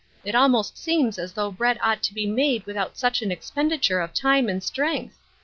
It almost seems as though bread ought to be made without such an expenditure of time and strength.